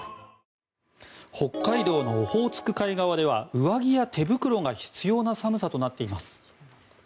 北海道のオホーツク海側では上着や手袋が必要な寒さとなっています。